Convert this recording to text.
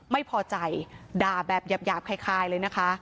ไม่พอใจด่าแบบหยาบคล้ายเลยนะคะ